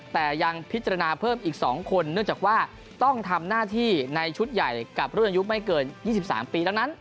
แต่ยังพิจารณาเพิ่มอีก๒คนเนื่องจากว่าต้องทำหน้าที่ในชุดใหญ่กับรุ่นอายุไม่เกิน๒๓ปีทั้งนั้น